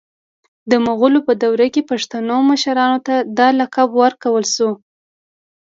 د مغولو په دور کي پښتنو مشرانو ته دا لقب ورکړل سو